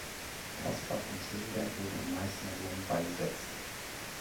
Caspar von Schönberg wurde im Meißner Dom beigesetzt.